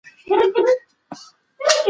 د خوب جال د پوهې په تېره چاړه باندې وشکېد.